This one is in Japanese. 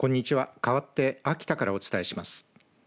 かわって秋田からお伝えします。